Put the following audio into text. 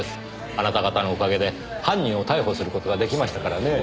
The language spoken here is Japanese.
あなた方のおかげで犯人を逮捕する事が出来ましたからねぇ。